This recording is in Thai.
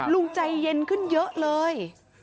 ลุงใจเย็นขึ้นเยอะเลย